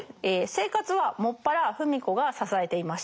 生活は専ら芙美子が支えていました。